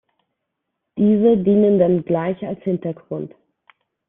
Diese dienen dann gleich als Hintergrund.